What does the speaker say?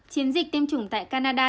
chiến dịch tiêm chủng tại canada